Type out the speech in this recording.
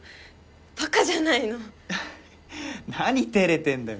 バカじゃないのなにてれてんだよ